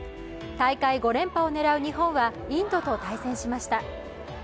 大会５連覇を狙う日本はインドと対戦しました。